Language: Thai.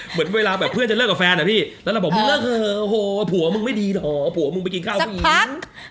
เหมือนเวลาแบบเพื่อนจะเลิกกับแฟนอะพี่แล้วเราบอกมึงเลิกเถอะโหผัวมึงไม่ดีเหรอผัวมึงไปกินข้าวผู้หญิง